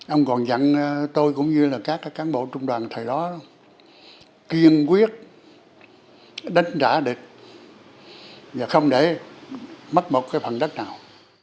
ông còn dặn tôi cũng như là các cán bộ trung đoàn thời đó kiên quyết đánh giá được và không để mất một cái phần đất nào